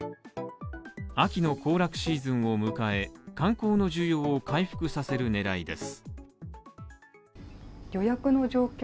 秋の行楽シーズンを迎え観光の需要を回復させる狙いです。